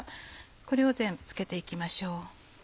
これを全部付けていきましょう。